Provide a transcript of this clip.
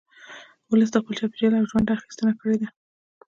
ولس د خپل چاپېریال او ژونده اخیستنه کړې ده